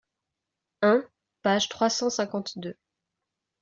un, page trois cent cinquante-deux).